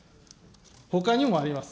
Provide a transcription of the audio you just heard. ほかにもあります。